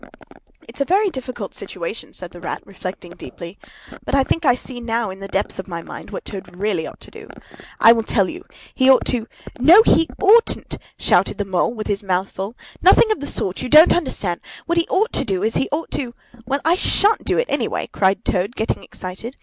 "It's a very difficult situation," said the Rat, reflecting deeply. "But I think I see now, in the depths of my mind, what Toad really ought to do. I will tell you. He ought to——" "No, he oughtn't!" shouted the Mole, with his mouth full. "Nothing of the sort! You don't understand. What he ought to do is, he ought to——" "Well, I shan't do it, anyway!" cried Toad, getting excited.